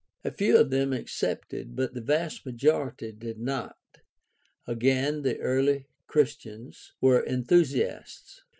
A few of them accepted, but the vast majority did not. Again, the early Christians were enthusiasts.